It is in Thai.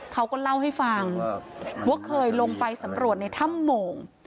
เขาก็เล่าให้ฟังว่าเคยลงไปสำรวจในถ้ำโมง